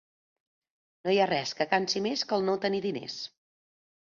No hi ha res que cansi més que el no tenir diners.